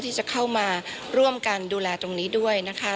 ที่จะเข้ามาร่วมกันดูแลตรงนี้ด้วยนะคะ